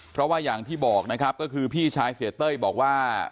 เพราะว่าอย่างที่บอกนะครับก็คือพี่ชายเสียเต้ยบอกว่า